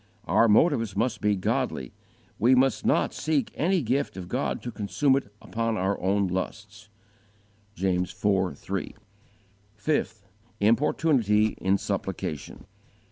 Our motives must be godly: we must not seek any gift of God to consume it upon our own lusts. (1 John v. 14; James iv. 3.) 5. Importunity in supplication.